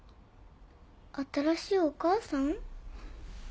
新しいお母さん？